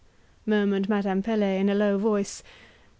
murmured Madame Pelet in a low voice.